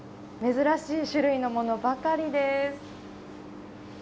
珍しい種類のものばかりです。